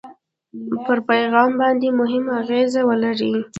پر پیغام باندې مهمه اغېزه ولري.